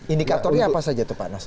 indikatornya apa saja tuh pak nasdem